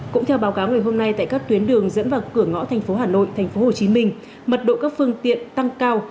cũng theo báo cáo ngày hôm nay tại các tuyến đường dẫn vào cửa ngõ thành phố hà nội thành phố hồ chí minh mật độ các phương tiện tăng cao